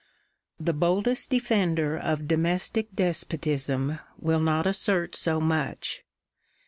The boldest defender of domestic despotism will not assert so much.